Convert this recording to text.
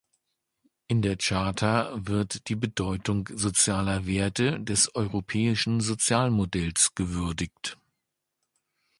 In der Charta wird die Bedeutung sozialer Werte, des europäischen Sozialmodells gewürdigt.